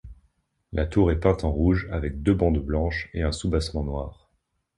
La tour est peinte en rouge avec deux bandes blanches et un soubassement noir.